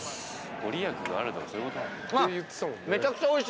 御利益があるとかそういうこと。